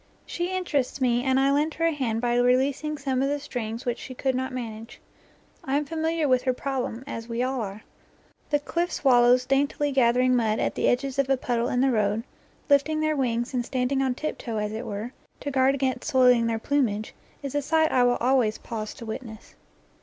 She interests me and I lend her a hand by releasing some of the strings which she could not manage. I am familiar with her problem, as we all are. The cliff swallows daintily gathering mud at the edges of a puddle in the road, lifting their wings and standing on tip toe as it were, to guard against soiling their plumage, is a sight I always pause to witness.